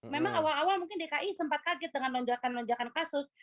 memang awal awal mungkin dki sempat kaget dengan lonjakan lonjakan kasus